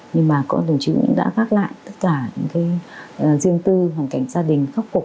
nhưng mà đồng chí cũng đã gác lại tất cả những cái riêng tư hoàn cảnh gia đình khắc phục